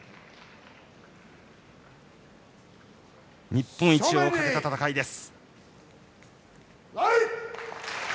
日本一をかけた戦いです。